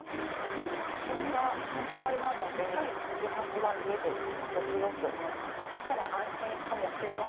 花粉が心配なので、週末は家で仕事しようと思います。